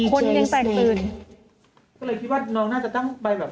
คนยังแตกตื่นก็เลยคิดว่าน้องน่าจะตั้งใบแบบ